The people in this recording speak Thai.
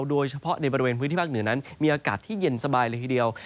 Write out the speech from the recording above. โดยเฉพาะในบริเวณพื้นที่ภาคเหนือนั้นมีอากาศที่เย็นสบายเลยทีเดียว